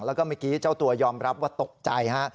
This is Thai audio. แล้วก็เมื่อกี้เจ้าตัวยอมรับว่าตกใจฮะ